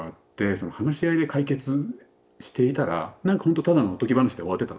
その話し合いで解決していたら何かほんとただのおとぎ話で終わってたと思うんですよね